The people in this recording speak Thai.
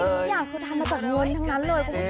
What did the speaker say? พี่พี่อยากกดทานมาจากเงินทั้งนั้นเลยคุณผู้ชม